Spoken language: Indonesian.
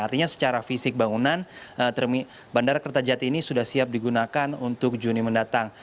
artinya secara fisik bangunan bandara kertajati ini sudah siap digunakan untuk juni mendatang